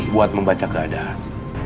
buat membaca keadaan